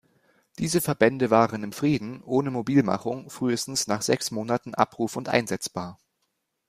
Diese Verbände waren im Frieden, ohne Mobilmachung, frühestens nach sechs Monaten abruf- und einsetzbar.